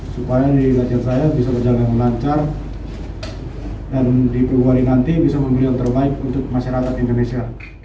supaya dari latihan saya bisa berjalan lancar dan diperluan nanti bisa memilih yang terbaik untuk masyarakat indonesia